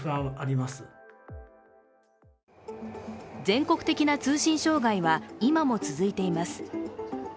全国的な通信障害は今も続いています。